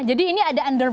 jadi ini ada underline